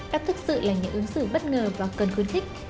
các thực sự là những ứng xử bất ngờ và cần khuyến khích